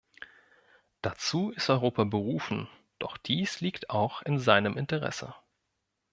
Dazu ist Europa berufen, doch dies liegt auch in seinem Interesse.